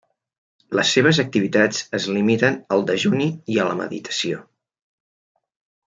Les seves activitats es limiten al dejuni i a la meditació.